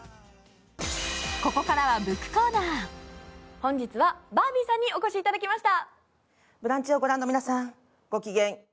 本日はバービーさんにお越しいきました。